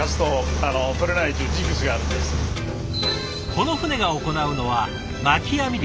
この船が行うのは巻き網漁。